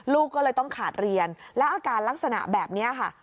ลูกก็เลยต้องขาดเรียนแล้วอาการลักษณะแบบนี้ค่ะ